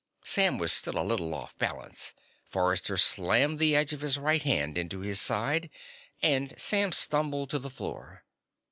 Sam was still a little off balance. Forrester slammed the edge of his right hand into his side, and Sam stumbled to the floor.